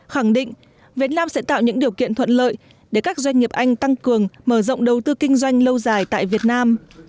khẳng định việt nam sẽ tạo những điều kiện thuận lợi để các doanh nghiệp anh tăng cường mở rộng đầu tư kinh doanh lâu dài tại việt nam